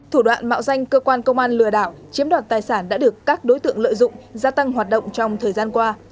thủ đoạn mạo danh cơ quan công an lừa đảo chiếm đoạt tài sản đã được các đối tượng lợi dụng gia tăng hoạt động trong thời gian qua